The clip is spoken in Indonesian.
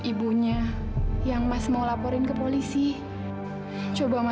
dia biasanya kan suka nyolong pakai deskripsi atau moi moi